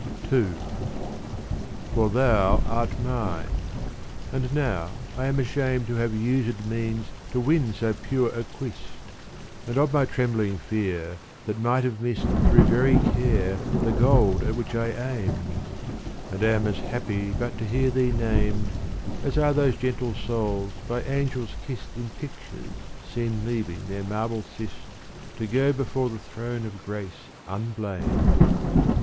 II For thou art mine. And now I am ashamed To have us^d means to win so pure acquist And of my trembling fear that might have missed Through very care the gold at which I aimed : And am as happy but to hear thee named, As are those gentle souls by angels kissed In pictures seen leaving their marble cist To go before the throne of grace unblamed.